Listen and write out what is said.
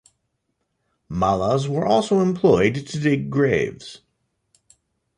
Malas were also employed to dig graves.